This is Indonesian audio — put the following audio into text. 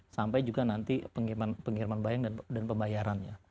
sampai juga nanti pengiriman barang dan pembayarannya